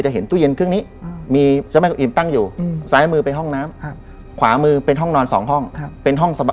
เหมือนน้าเป็นศพ